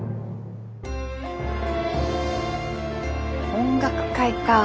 音楽会かあ。